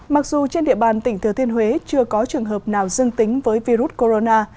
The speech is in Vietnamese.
mặc dù trên địa bàn tỉnh thừa thiên huế chưa có trường hợp nào dương tính với virus corona